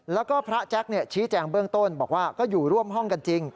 แล้วก็พระแจ๊คชี้แจงเบื้องต้นบอกว่าก็อยู่ร่วมห้องกันจริง